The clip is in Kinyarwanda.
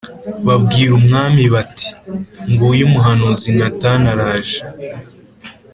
Babwira umwami bati “Nguyu umuhanuzi Natani araje.”